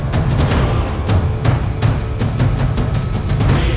kalian telah kembali